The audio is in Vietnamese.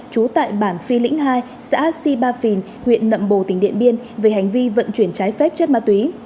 chú tại bản phi lĩnh hai xã si ba phìn huyện nậm bồ tỉnh điện biên về hành vi vận chuyển trái phép chất ma túy